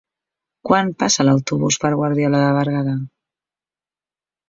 Quan passa l'autobús per Guardiola de Berguedà?